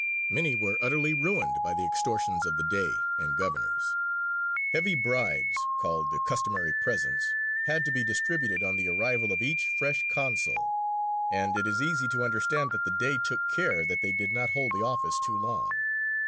Many were utterly ruined by the extortions of the Dey and governors. Heavy bribes called "the customary presents" had to be distributed on the arrival of each fresh consul; and it is easy to understand that the Dey took care that they did not hold the office too long.